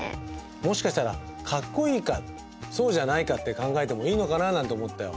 もしかしたらかっこいいかそうじゃないかって考えてもいいのかななんて思ったよ。